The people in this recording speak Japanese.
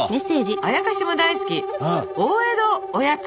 「あやかしも大好き大江戸おやつ」。